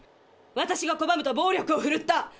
私がこばむと暴力をふるった！